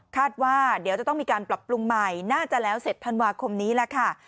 คาดว่าเดี๋ยวจะต้องมีการปรับปรุงใหม่น่าจะแล้วเสร็จธันวาคมนี้แหละค่ะ